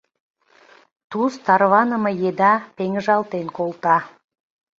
Туз тарваныме еда пеҥыжалтен колта.